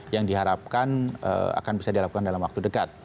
yang diharapkan akan bisa dilakukan dalam waktu dekat